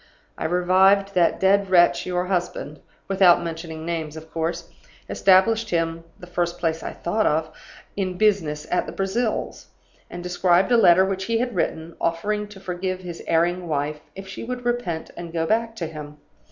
I revived that dead wretch, your husband (without mentioning names, of course), established him (the first place I thought of) in business at the Brazils, and described a letter which he had written, offering to forgive his erring wife, if she would repent and go back to him.